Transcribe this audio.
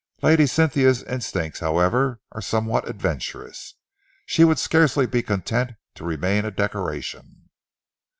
Lady Cynthia's instincts, however, are somewhat adventurous. She would scarcely be content to remain a decoration."